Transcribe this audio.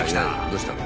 どうしたの？